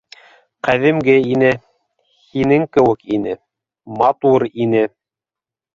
Ҡәҙимге ине, һинең кеүек ине, матур ине.